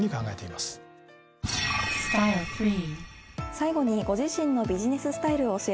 最後にご自身のビジネススタイルを教えてください。